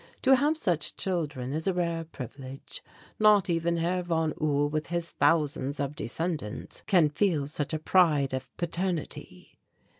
To have such children is a rare privilege; not even Herr von Uhl with his thousands of descendants can feel such a pride of paternity.